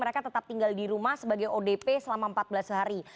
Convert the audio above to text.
mereka tetap tinggal di rumah sebagai odp selama empat belas hari